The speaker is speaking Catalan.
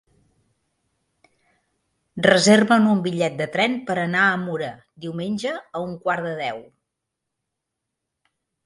Reserva'm un bitllet de tren per anar a Mura diumenge a un quart de deu.